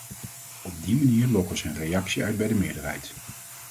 Op die manier lokken ze een reactie uit bij de meerderheid.